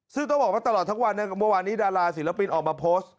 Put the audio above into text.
ซึ่งต้องบอกว่าตลอดทั้งวันเมื่อวานนี้ดาราศิลปินออกมาโพสต์